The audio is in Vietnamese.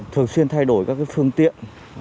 thường xuyên thay đổi các phương tiện